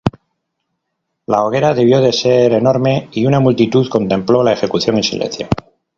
La hoguera debió de ser enorme, y una multitud contempló la ejecución en silencio.